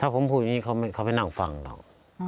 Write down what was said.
ถ้าผมพูดอย่างนี้เขาไม่น่าไปนั่งฟังหรอก